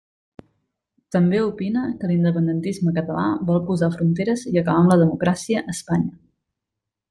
També opina que l'independentisme català vol posar fronteres i acabar amb la democràcia a Espanya.